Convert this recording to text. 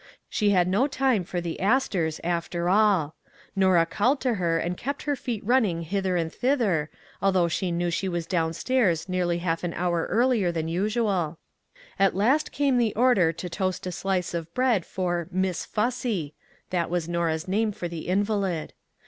She had no time for the asters, after all. Norah called to her and kept her feet running hither and thither, although she knew she was downstairs nearly half an hour earlier than usual. At last came the order to toast a slice of bread for " Miss Fussy !" that was Norah's name for the invalid.